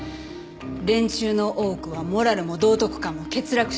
連中の多くはモラルも道徳観も欠落してる。